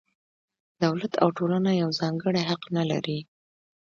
دولت او ټولنه یو ځانګړی حق نه لري.